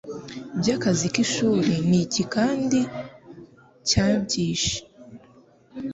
Bya akazi k'ishuri n'icyi kandi cyabyishe